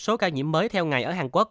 số ca nhiễm mới theo ngày ở hàn quốc